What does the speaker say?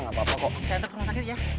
saya ntar pernah sakit ya